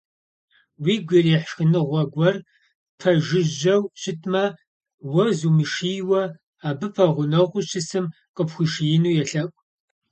Уигу ирихь шхыныгъуэ гуэр ппэжыжьэу щытмэ, уэ зумышийуэ, абы пэгъунэгъуу щысым къыпхуишиину елъэӏу.